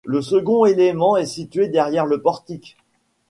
Le second élément est situé derrière le portique.